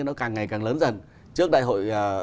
nó càng ngày càng lớn dần trước đại hội